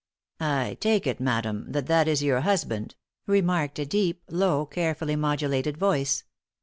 "I take it, madam, that that is your husband," remarked a deep, low, carefully modulated voice.